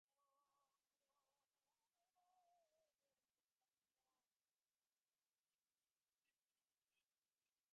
সকলের কাছে সদয় ব্যবহার পেয়েছি।